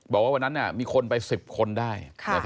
บอกว่าวันนั้นมีคนไป๑๐คนได้